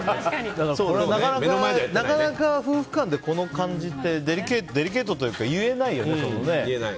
なかなか夫婦間で、この感じってデリケートというか言えないよね。